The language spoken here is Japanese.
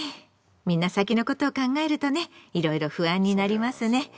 みんな先のことを考えるとねいろいろ不安になりますね。